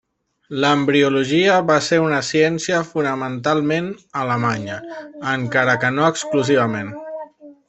L'embriologia va ser una ciència fonamentalment alemanya, encara que no exclusivament.